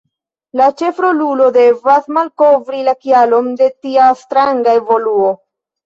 La ĉefrolulo devas malkovri la kialon de tia stranga evoluo.